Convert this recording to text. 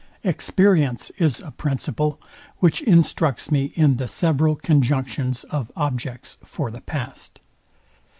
Experience is a principle, which instructs me in the several conjunctions of objects for the past.